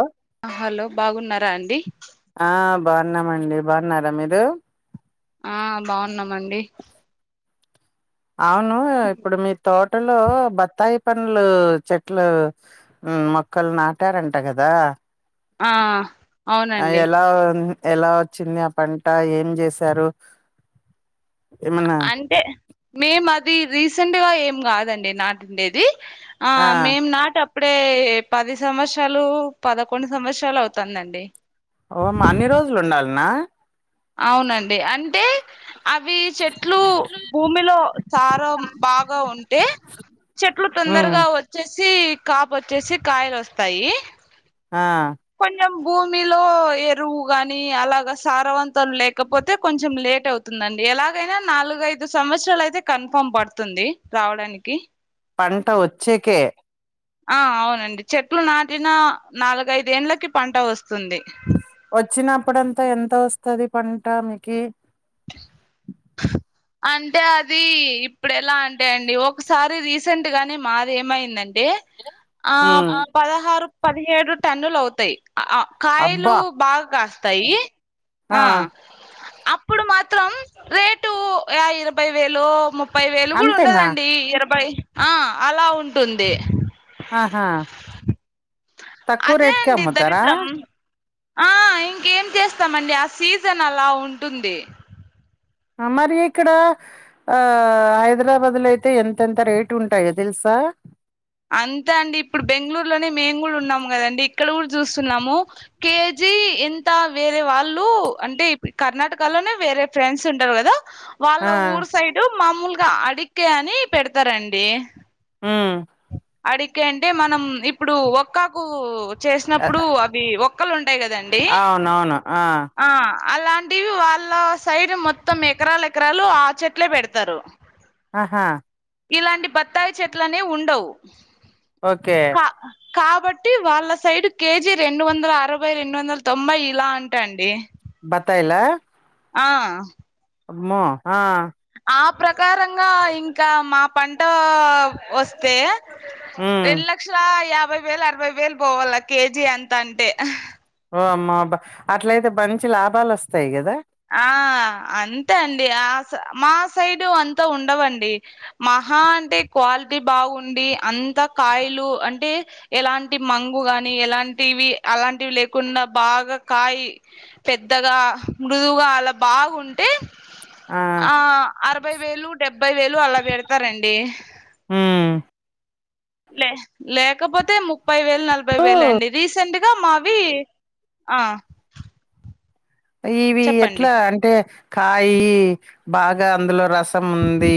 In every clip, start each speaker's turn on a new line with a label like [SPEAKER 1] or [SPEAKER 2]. [SPEAKER 1] ఓ
[SPEAKER 2] హ హలో బాగున్నారా అండి.
[SPEAKER 1] ఆ బావున్నామండి బావున్నారా మీరు
[SPEAKER 2] ఆ బావున్నామండి
[SPEAKER 1] అవును ఇప్పుడు మీ తోటలో బత్తాయి పండ్లు చెట్లు ఆ మొక్కలు నాటారంట కదా
[SPEAKER 2] ఆ
[SPEAKER 1] ఆ
[SPEAKER 2] అవునండి
[SPEAKER 1] ఎలా ఎలా వచ్చింది ఆ పంట ఏం చేశారు ఏమన్నా
[SPEAKER 2] అంటే మేము అది రీసెంట్గా ఏం కాదండి నాటిండేది ఆ మేము నాటి అప్పుడే పది సంవత్సరాలు పదకొండు సంవత్సరాలు అవుతుందండి
[SPEAKER 1] ఓ మా అన్ని రోజులు ఉండాలినా
[SPEAKER 2] అవునండి అంటే అవి చెట్లు భూమిలో సారం బాగా ఉంటే చెట్లు
[SPEAKER 1] ఉమ్,
[SPEAKER 2] తొందరగా వచ్చ వచ్చేసి కాపు వచ్చేసి కాయలు వస్తాయి
[SPEAKER 1] ఆ
[SPEAKER 2] కొంచెం భూమిలో ఎరువు గాని అలాగా సారవంతం లేకపోతే కొంచెం లేట్ అవుతు దండి ఎలాగైనా నాలుగఐదు సంవత్సరాలు అయితే కన్ఫామ్ పడుతుంది రావడానికి
[SPEAKER 1] పంట వచ్చేకే
[SPEAKER 2] ఆ అవునండి చెట్లు నాటిన నాలుగఐద ఏంలకి పంట వస్తుంది
[SPEAKER 1] వచ్చినప్పుడంతా ఎంత వస్తది పంట మీకు
[SPEAKER 2] అంటే అది ఇప్పుడు ఎలా అంటే అండి ఒకసారి రీసెంట్ గానే మాది ఏమయిందంటే ఆ పదహారు పదిహేడు టన్నులు అవుతాయి ఆ కాయలు
[SPEAKER 1] అబ్బా
[SPEAKER 2] బాగా కాస్తాయి ఆ ఇప్పుడు మాత్రం రేటు ఇరవై వేలు ము ముప్పై వేలు కూడా
[SPEAKER 1] అంతేనా
[SPEAKER 2] ఉండదండి ఇరవై ఆ అలా ఉంటుంది
[SPEAKER 1] ఆహా తక్కువ
[SPEAKER 2] అదే
[SPEAKER 1] రేటుకే
[SPEAKER 2] అండి
[SPEAKER 1] అమ్ముతారా
[SPEAKER 2] దరిద్రం ఆ ఇంకేం చేస్తామండి ఆ సీజన్ అలా ఉంటుంది
[SPEAKER 1] ఆ మరి ఇక్కడ ఆ హైదరాబాద్ లో అయితే ఎంత ఎంత రేటు ఉంటాయో తెలుసా
[SPEAKER 2] అంతా అండి ఇప్పుడు బెంగళూరులోనే మేము కూడా ఉన్నాము కదండి ఇక్కడ కూడా చూస్తున్నాము కేజీ ఎంత వేరే వాళ్ళు అంటే కర్ణటకలోనే వేరే ఫ్రెండ్స్ ఉంటారు కదా వాళ్ళ
[SPEAKER 1] ఆ
[SPEAKER 2] ఊరు సైడ్ మామూలుగా అడిక్క అని పెడతారండి
[SPEAKER 1] ఉం
[SPEAKER 2] అడిక్కే అంటే మనం ఇప్పుడు ఒక్కాకు
[SPEAKER 1] అ
[SPEAKER 2] చేసినప్పుడు అవి ఒక్కలు ఉంటాయి కదండి
[SPEAKER 1] అవునవును ఆ
[SPEAKER 2] ఆ అలాంటివి వాళ్ళ సైడ్ మొత్తం ఎకరాల ఎకరాలు ఆ చెట్లే పెడతారు
[SPEAKER 1] ఆహా
[SPEAKER 2] ఇలాంటి బత్తాయి చెట్లనేయి ఉండవు
[SPEAKER 1] ఓకే
[SPEAKER 2] పా కాబట్టి వాళ్ళ సైడ్ కేజీ రెండు వందల అరవై రెండు వందల తొంభై ఇలా అంటాండి
[SPEAKER 1] బత్తాయిల
[SPEAKER 2] ఆ
[SPEAKER 1] అమ్మో ఆ
[SPEAKER 2] ఆ ప్రకారంగా ఇంకా మా పంట వస్తే
[SPEAKER 1] ఉమ్
[SPEAKER 2] రెండు లక్షల యాభై వేలు అరవై వేలు పోవాలా కేజీ ఎంత అంటే
[SPEAKER 1] ఓ అమ్మా అబా అట్లయితే మంచి లాభాలు వస్తాయి కదా
[SPEAKER 2] ఆ అంతే అండి ఆ మా సైడు అంత ఉండవండి మహా అంటే క్వాలిటీ బావుండి అంతా కాయిలు అంటే ఎలాంటి మంగు గాని ఎలాంటివి అలాంటివి లేకుండా బాగా కాయి పెద్దగా మృదువుగా అలా బాగుంటే ఆ అరభై వేలు డెబ్బై వేలు అలా పెడ్తారండి
[SPEAKER 1] ఉమ్
[SPEAKER 2] లే లేకపోతే ముప్పై వేలు నలభై
[SPEAKER 1] ఓ,
[SPEAKER 2] వేలు అండి రీసెంట్ గా మావి ఆ
[SPEAKER 1] ఇవి
[SPEAKER 2] చెప్పండి
[SPEAKER 1] ఎట్లా అంటే కాయి బాగా అందులో రస్ సం ఉంది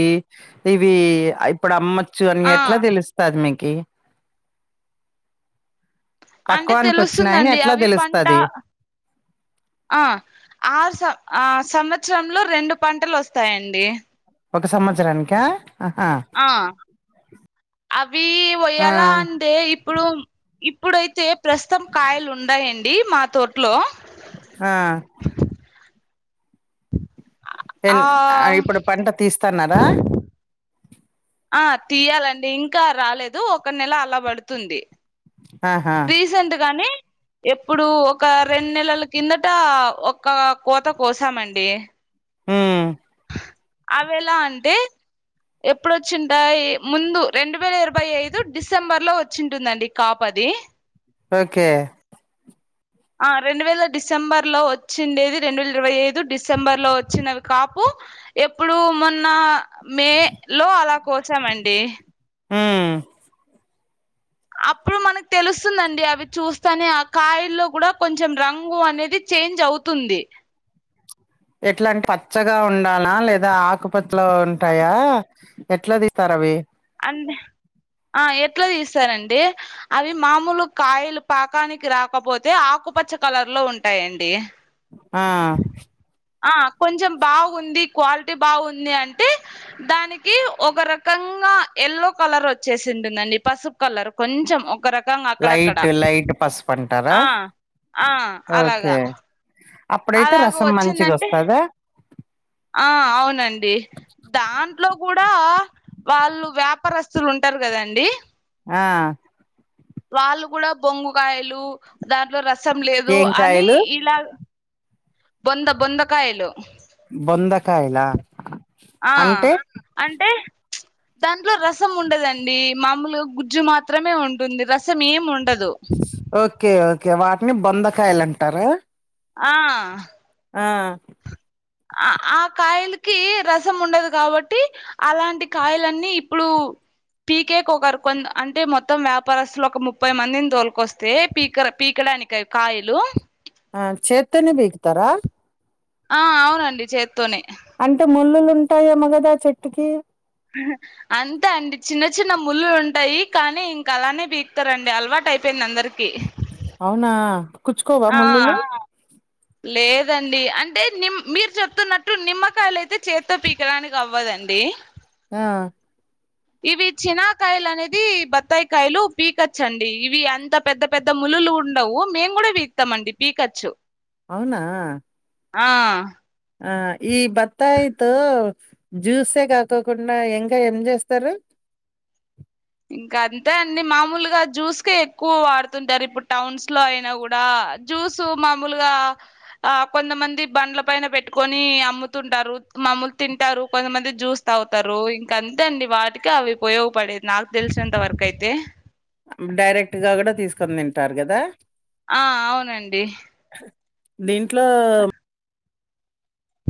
[SPEAKER 1] ఇవి ఇప్పుడు అమ్మచ్చు అని
[SPEAKER 2] ఆ
[SPEAKER 1] ఎట్లా తెలుస్తది మీకి
[SPEAKER 2] అంటే
[SPEAKER 1] పక్వానికి వచ్చినాయని
[SPEAKER 2] తెలుసుందండి
[SPEAKER 1] ఎట్లా
[SPEAKER 2] అవి పంట
[SPEAKER 1] తెలుస్తది
[SPEAKER 2] ఆ ఆరు సం ఆ సంవత్సరంలో రెండు పంటలు ఒస్తాయండి.
[SPEAKER 1] ఒక సంవత్సరానిక ఆహ
[SPEAKER 2] ఆ అవీ
[SPEAKER 1] ఆ
[SPEAKER 2] వోయ్యాల అంటే ఇప్పుడూ ఇప్పుడైతే ప్రస్తుతం కాయలు ఉండయండి మా తోట్లో
[SPEAKER 1] ఆ
[SPEAKER 2] [inaudible]
[SPEAKER 1] ఎన్ ఆ ఇప్పుడు పంట తీస్తన్నారా
[SPEAKER 2] ఆ తీయాలండి ఇంకా రాలేదు ఒక నెల అలా బాడ్తుంది.
[SPEAKER 1] ఆహా
[SPEAKER 2] రీసెంట్ గాని ఇప్పుడు ఒక రెన్ నెలల కిందట ఒక్క కోత కోసామండి
[SPEAKER 1] ఉమ్
[SPEAKER 2] అవెలా అంటే ఎప్పుడు ఒచ్చింటాయి ముందు రెండు వేల ఇరవై ఐదు డిసెంబర్ లో ఒచ్చింటుందండి కాపు అది
[SPEAKER 1] ఓకే
[SPEAKER 2] ఆ రెండు వేల డిసెంబర్ లో ఒచ్చిండేది రెండు వేల ఇరవై ఐదు డిసెంబర్ లో ఒచ్చినవి కాపూ ఎప్పుడు మొన్న మే లో అలా కోసామండి
[SPEAKER 1] ఊ [inaudible]
[SPEAKER 2] అప్పుడు మనకు తెలుస్తుందండి అవి చూస్తానే ఆ కాయల్లో కూడా కొంచెం రంగు అనేది చేంజ్ అవుతుంది
[SPEAKER 1] ఎట్లా అంట పచ్చగా ఉండాల లేదా ఆకుపచ్చలో ఉంటాయా ఎట్లా తీతరు అవి
[SPEAKER 2] అంద ఆ ఎట్లా తీస్సరండి. అవి మామూలు కాయలు పాకానికి రాకపోతే ఆకుపచ్చ కలర్లో ఉంటాయండి
[SPEAKER 1] ఆ
[SPEAKER 2] ఆ కొంచెం బాగుంది క్వాలిటీ బాగుంది అంటే దానికి ఒక రకంగా ఎల్లో కలర్ ఒచ్చేసి ఉంటుందండి పసుపు కలర్ కొంచెం ఒక రక
[SPEAKER 1] లైట్ లైట్ పసుపు అంటారా
[SPEAKER 2] ఆ ఆ అలాగా
[SPEAKER 1] ఒకే అప్పుడైతే
[SPEAKER 2] అలాగ
[SPEAKER 1] రసం మంచిగా
[SPEAKER 2] వచ్చిందంటే
[SPEAKER 1] ఒస్తదా
[SPEAKER 2] ఆ అవునండి దాంట్లో కూడా వాళ్ళు వ్యాపారస్తులు ఉంటారు కదండి
[SPEAKER 1] ఆ
[SPEAKER 2] వాళ్ళు కూడా బొంగుకాయలు దాంట్లో రసం లేదు
[SPEAKER 1] ఏం
[SPEAKER 2] అని
[SPEAKER 1] కాయలు
[SPEAKER 2] ఇలా బొంద బొందకాయలు
[SPEAKER 1] బొంద కాయల.
[SPEAKER 2] ఆ అంటే. దాంట్లో రసం ఉండదండి. మామూలుగా గుజ్జు మాత్రమే ఉంటుంది. రసం ఏమ్ ఉండదు.
[SPEAKER 1] ఓకే ఓకే వాటిని బొందకాయలు అంటారా.
[SPEAKER 2] ఆ
[SPEAKER 1] ఆ
[SPEAKER 2] ఆ కాయలకి రసం ఉండదు కాబట్టి. అలాంటి కాయలన్నీ ఇప్పుడు పీకేకి ఒకరు కొ అంటే మొత్తం వ్యాపారస్తులు ఒక ముప్పై మందిని తోలుకొస్తే పీకడానికి. కాయలు.
[SPEAKER 1] ఆ చేత్తోనే పీకుతారా.
[SPEAKER 2] ఆ అవునండి చేత్తోనే.
[SPEAKER 1] అంటే ముళ్ళులు ఉంటాయేమో కదా చెట్టుకి.
[SPEAKER 2] హ అంతే అండి చిన్న చిన్న ముల్లులు ఉంటాయి. కానీ ఇంక అలానే పీకుతారండి. అలవాటు అయిపోయింది అందరికి. కి
[SPEAKER 1] అవునా కుచ్చుకోవా
[SPEAKER 2] ఆ
[SPEAKER 1] ముళ్ళులు
[SPEAKER 2] లేదండి అంటే నిమ్ మీరు చెప్తున్నట్టు నిమ్మకాయలు అయితే చేత్తో పీకడానికి అవ్వదండి.
[SPEAKER 1] ఆ
[SPEAKER 2] ఇవి చినాకాయలు అనేది బత్తాయికాయలు పీకచ్చండి ఇవి అంత. పెద్ద పెద్ద ముల్లులు ఉండవు మేము కూడా తీత్తం మండి పీకచ్చు.
[SPEAKER 1] అవునా.
[SPEAKER 2] ఆ
[SPEAKER 1] ఆ ఈ బత్తాయితో జ్యూసే కాకోకుండా ఇంకా ఏం చేస్తారు.
[SPEAKER 2] ఇంకా అంతే అండి మామూలుగా జ్యూస్కే ఎక్కువ వాడుతుంటారు. ఇప్పుడు టౌన్స్ లో అయినా కూడా. జ్యూసు మామూలుగా. ఆ కొంతమంది బండ్ల పైన పెట్టుకొని అమ్ముతుంటారు మాములు తింటారు కొంతమంది జ్యూస్. తాగుతారు. ఇంక అంతే అండి వాటికి అవి ఉపయోగపడేది. నాకు తెలిసినంత వరకు అయితే.
[SPEAKER 1] డైరెక్ట్ గా కూడా తీసుకొని తింటారు కదా.
[SPEAKER 2] ఆ అవునండి.
[SPEAKER 1] దీంట్లో.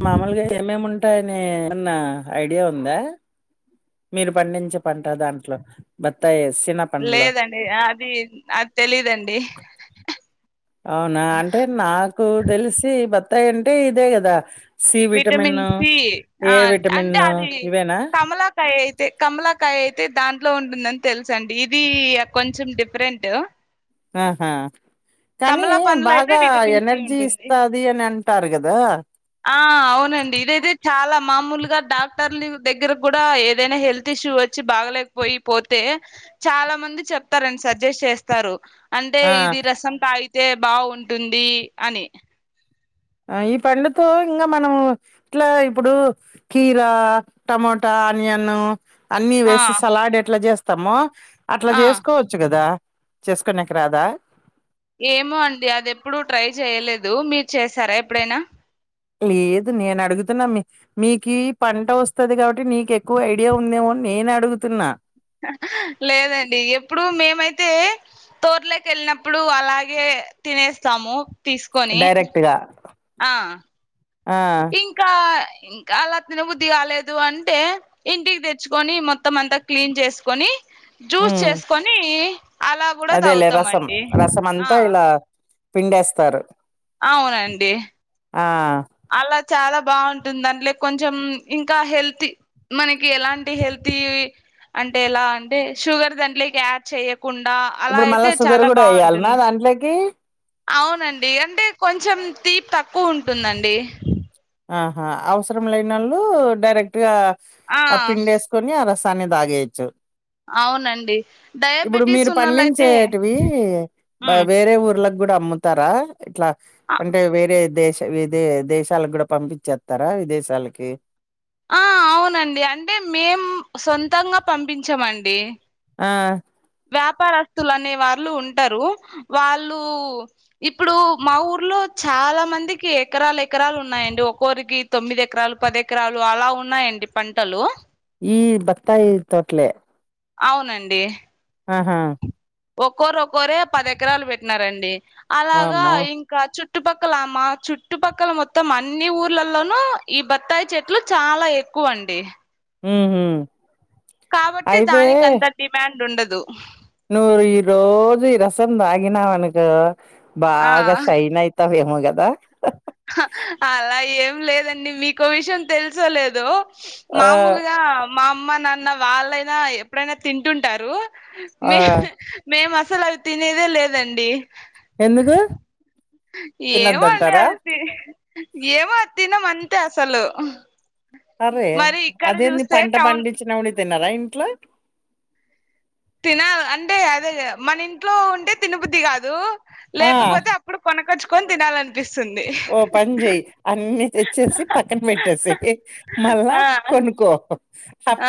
[SPEAKER 1] మామూలుగా ఏమేమి ఉంటాయ్. యని ఏమన్న ఐడియా ఉందా. మీరు పండించే పంట దాంట్లో బత్తాయే. సిన
[SPEAKER 2] లేదండి. అది అది తెలీదండి.
[SPEAKER 1] అవునా అంటే నాకు తెలిసి బత్తాయి అంటే ఇదే గదా. C
[SPEAKER 2] vitamin
[SPEAKER 1] vitamin.
[SPEAKER 2] సి ఆ
[SPEAKER 1] ఏ విటమిను. ఇవేనా.
[SPEAKER 2] కాయ అయితే కమలాకాయ అయితే దాంట్లో ఉంటుందని తెలుసండి ఇది కొంచెం డిఫరెంటూ.
[SPEAKER 1] ఆహా కానీ
[SPEAKER 2] కమలా పండ్లో అయితే
[SPEAKER 1] బాగా
[SPEAKER 2] విటమిన్ సి
[SPEAKER 1] ఎనర్జీ
[SPEAKER 2] ఉంటుంది
[SPEAKER 1] ఇస్తా. ది అని అంటారుకదా.
[SPEAKER 2] ఆ అవునండి ఇదైతే, చాలా మామూలుగా. డాక్టర్ల దగ్గర కూడా ఏదైనా హెల్త్ ఇష్యూ. వచ్చ వచ్చి బాగలేకపోయి పోతే చాలా మంది చెప్తారు. అండి సజెస్ట్ చేస్తారు. అంటే
[SPEAKER 1] ఆ
[SPEAKER 2] ఇది రసం తాగితే బాగుంటుంది. అని.
[SPEAKER 1] ఆ ఈ పండుతో ఇంకా మనం. ఇట్లా ఇప్పుడు. కీరా టమోటా ఆనియన్ను అన్నీ
[SPEAKER 2] ఆ
[SPEAKER 1] వేసి సలాడ్ ఎట్లా జేస్తమొ అట్లా
[SPEAKER 2] ఆ
[SPEAKER 1] జేస్కో చ్చు గదా చేస్కొనేకి రాదా
[SPEAKER 2] ఏమో అండి అదెప్పుడు ట్రై జేయ లేదు మీర్ చేసారా ఎప్పుడైనా
[SPEAKER 1] లేదు నేనడుగుతున్న మీ మీకీ పంట వస్తది గాబట్టి నీకెక్కువ ఐడియా ఉందేమో అన్ నేనే అడుగుతున్నా
[SPEAKER 2] లేదండి ఎప్పుడు మేమైతే తోట్లేకెళ్నప్పుడు అలాగే తినేస్తాము తీసుకొని
[SPEAKER 1] డైరెక్ట్ గా
[SPEAKER 2] ఆ
[SPEAKER 1] ఆ
[SPEAKER 2] ఇంకా ఇంకా అలా తిన బుద్ధి గాలేదు అంటే ఇంటిక్ దెచ్చ్కొని మొత్తం అంతా క్లీన్ జేస్కొని జ్యూస్
[SPEAKER 1] ఉమ్
[SPEAKER 2] చేస్కొనీ
[SPEAKER 1] అదేలే రసం రసం
[SPEAKER 2] ఆ
[SPEAKER 1] అంతా ఇలా పిండేస్తారు
[SPEAKER 2] అవునండి
[SPEAKER 1] ఆ
[SPEAKER 2] అలా చాలా బావుంటుంద్ దాంట్లేక్ కొంచం ఇంకా హెల్తీ మనకి ఎలాంటి హెల్తీ అంటే ఎలా అంటే షుగర్ దాంట్లేకి యాడ్ చేయ్యకుండా అలా అయితే చాలా బావుంటుం
[SPEAKER 1] అంట్లేకీ
[SPEAKER 2] అవునండి అంటే కొంచం తీప్ తక్కువుంటుందండి
[SPEAKER 1] ఆహా అవసరం లేనొళ్ళు డైరెక్ట్ గా ఆ పిండేస్ కొని అ రసాన్ని దాగేయెచ్చు
[SPEAKER 2] అవునండి
[SPEAKER 1] ఇబ్బుడు
[SPEAKER 2] డయాబెటీస్
[SPEAKER 1] మీరు
[SPEAKER 2] ఉన్నోళ్ళయితే
[SPEAKER 1] పంన్నించేటివి బ
[SPEAKER 2] మ్మ్
[SPEAKER 1] వేరే ఊర్లగ్ గ్గుడ అమ్ముతారా ఇట్లా అంటే వేరే దేశ వేే దేశాల గ్గుడ పంపిచ్చేత్తర విదేశాలకి
[SPEAKER 2] ఆ అవునండి అంటే మేం సొంతంగా పంపించమండి
[SPEAKER 1] ఆ
[SPEAKER 2] వ్యాపారస్తులు అనే వాళ్ళు ఉంటరూ వాళ్ళూ ఇప్పుడు మా ఊర్లో చాలా మందికి ఎకరాల్ ఎకరాల్ ఉన్నాయండి ఒక్కోరికి తొమ్మిదెకరాల్ పది ఎకరాలు అలా ఉన్నాయండి పంటలు
[SPEAKER 1] ఈ బత్తాయి తోట్లే
[SPEAKER 2] అవునండి
[SPEAKER 1] ఆహా
[SPEAKER 2] ఒక్కోరొక్కోరే పదెకరాలు వెట్నారండి అలాగా
[SPEAKER 1] వామ్మో
[SPEAKER 2] ఇం క చుట్టుపక్కల మా చుట్టుపక్కల మొత్తం అన్ని ఊర్లల్లోనూ ఈ బత్తాయి చెట్లు చాలా ఎ క్కువండి
[SPEAKER 1] ఊహు
[SPEAKER 2] కాబట్టి దానికంత డిమ్యాండుండదు
[SPEAKER 1] నువ్వ్ ఈ రోజు ఈ రసం దాగినావనుకో
[SPEAKER 2] ఆ
[SPEAKER 1] బాగా షైనై తావేమొ గదా
[SPEAKER 2] హా అలా ఏం లేదండి మీకో విషయం తెల్సోలేదో
[SPEAKER 1] ఆ
[SPEAKER 2] మామొలుగా మా అమ్మ నాన్న వాళ్ళైనా ఎప్పుడైనా తింటుంటారు
[SPEAKER 1] ఆ
[SPEAKER 2] మే మేమసలు అ అవి తినెదే లేదండి
[SPEAKER 1] ఎందుకు
[SPEAKER 2] ఏమో అండి
[SPEAKER 1] తినొద్దంటారా
[SPEAKER 2] అవి తీ ఏమో అత్తినమంతే అసలు
[SPEAKER 1] అరే
[SPEAKER 2] మరి ఇక్కడ
[SPEAKER 1] అదేంది
[SPEAKER 2] చూస్తే
[SPEAKER 1] పంట
[SPEAKER 2] టౌన్
[SPEAKER 1] పండిచ్చినోళ్ళే తినరా ఇంట్లో
[SPEAKER 2] తినాలి అంటే అదే మన ఇంట్లో ఉంటే తినబుద్ధి కాదు
[SPEAKER 1] ఆ
[SPEAKER 2] లేకపోతే అప్ ఇప్పుడు కొనకచ్ కొని తినాలనిపిస్తుంది
[SPEAKER 1] ఓ పని చేయి అన్ని తెచ్చేసి పక్కన పెట్టేసేయ్ మళ్ళా
[SPEAKER 2] ఆ
[SPEAKER 1] కొనుకో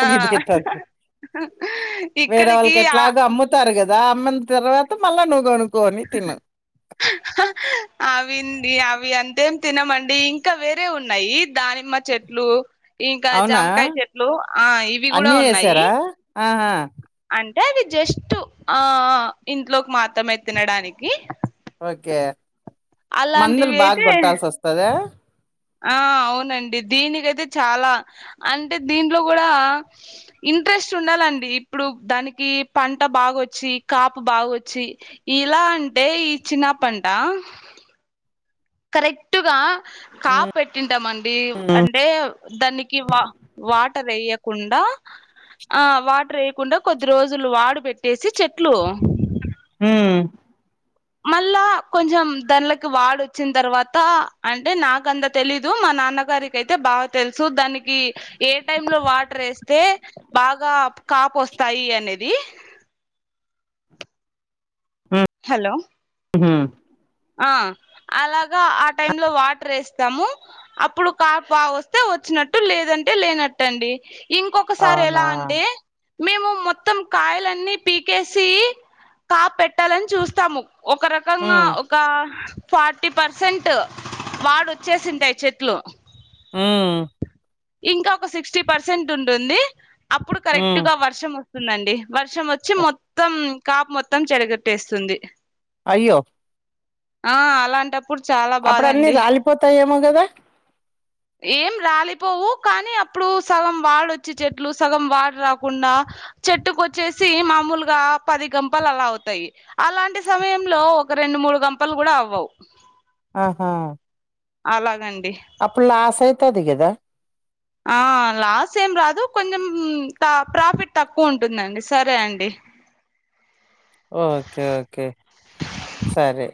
[SPEAKER 2] ఆ
[SPEAKER 1] ఇది అయితది వేరే
[SPEAKER 2] ఇక్కడికి
[SPEAKER 1] వాళ్ళకి
[SPEAKER 2] ఆ
[SPEAKER 1] ఎట్లాగో అమ్ముత్ తారు కదా అమ్మని తర్వాత మళ్ళా నువ్వు కొనుకోని తిను
[SPEAKER 2] అవిన్ డి అవి అంతేం తినమండి ఇంకా వేరే ఉన్నాయి దాని నిమ్మ చెట్లు ఇంకా
[SPEAKER 1] అవునా
[SPEAKER 2] జామకాయ చెట్లు ఆ ఇవి కూడా
[SPEAKER 1] అన్నీ
[SPEAKER 2] ఉన్నాయి
[SPEAKER 1] వేసారా ఆహా
[SPEAKER 2] అంటే అది జస్ట్ ఆ ఇంట్లోకి మాత్రం తినడానికి
[SPEAKER 1] ఓకే మందులు
[SPEAKER 2] అలాంటివి
[SPEAKER 1] బాగా
[SPEAKER 2] అయితే
[SPEAKER 1] కొట్టాల్సి వస్తదా
[SPEAKER 2] ఆ అవునండి దీనికైతే చాలా అంటే దీంట్లో కూడా ఇంట్రెస్ట్ ఉండాలండి ఇప్పుడు దానికి పంట బాగొచ్చి కాపు బాగొచ్చి ఇలా అంటే ఈ చినా పంట కరెక్ట్గా కాపు పెట్టింటాం అండి అన్ టే దానికి వా వాటర్ ఎయ్యకుండా ఆ వాటర్ వేయకుండా కొద్ది రోజులు వాడు పెట్టేసి చెట్లు
[SPEAKER 1] మ్మ్
[SPEAKER 2] మళ్ళా కొంచెం దాండ్లకి వాడొచ్చిన తర్వాత అంటే నాకు అంత తెలీదు మా నాన్న గారి కి అయితే బాగా తెలుసు దానికి ఏ టైమ్ లో వాటర్ యేస్తే బాగా కాపు వస్తాయి అనేది హలో
[SPEAKER 1] మ్మ్
[SPEAKER 2] ఆ అలాగా ఆ టైమ్ లో వాటర్ వేస్తాము అప్పుడు కాపు బాగొస్తే వచ్చినట్టు లేదంటే లేనట్టండి ఇంకొకసారి
[SPEAKER 1] అవునా
[SPEAKER 2] ఎలా అంటే మేము మొత్తం కాయలన్నీ పీకేసి కాప్ పెట్టాలని చూస్తాము ఒక రక కంగా
[SPEAKER 1] ఉమ్,
[SPEAKER 2] ఒక ఫార్టీ పర్సెంట్ వాడు వచ్చేసింటాయి చెట్లు
[SPEAKER 1] మ్మ్
[SPEAKER 2] ఇంకా ఒక సిక్స్టీ పర్సెంట్ ఉంటుంది అప్పుడు కరెక్ట్
[SPEAKER 1] ఉమ్.
[SPEAKER 2] గా వర్షం వస్తుందండి వర్షం వచ్చి మొత్తం కాపు మొత్తం చెడగొట్టేస్తుంది
[SPEAKER 1] అయ్యో
[SPEAKER 2] ఆ అలాంటప్పుడు చాలా
[SPEAKER 1] అప్పుడు అన్ని
[SPEAKER 2] బాదండి
[SPEAKER 1] రాలిపోతాయేమో కదా
[SPEAKER 2] ఏం రాలే పోవు కానీ అప్పుడు సగం వాడొచ్చి చెట్లు సగం వాడు రాకుండా చెట్టుకొచ్చేసి మామూలుగా పది గంపలు అలా అవుతాయి అలాంటి సమయంలో ఒక రెండు మూడు గంపలు కూడా అవ్వవు
[SPEAKER 1] ఆహా
[SPEAKER 2] అలాగండి
[SPEAKER 1] అప్పుడు లాస్ అయితది కదా
[SPEAKER 2] ఆ లాస్ ఏం రాదు కొంచెం ప్రాఫిట్ తక్కువ ఉంటుందండి సరే అండి
[SPEAKER 1] ఓకే ఓకే సరే